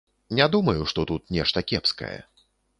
Не думаю, што тут нешта кепскае.